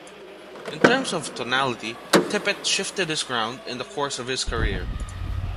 In terms of tonality, Tippett shifted his ground in the course of his career.